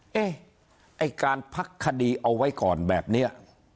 เอ๊ะไอ้การพักคดีเอาไว้ก่อนแบบนี้